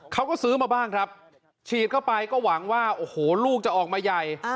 เขาก็ซื้อมาบ้างครับฉีดเข้าไปก็หวังว่าโอ้โหลูกจะออกมาใหญ่